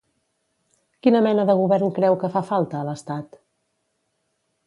Quina mena de govern creu que fa falta a l'Estat?